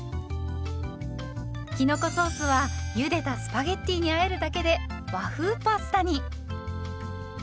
きのこソースはゆでたスパゲッティにあえるだけで和風パスタに。